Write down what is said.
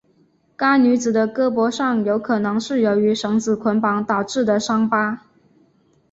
该女子的胳膊上有可能是由于绳子捆绑导致的伤疤。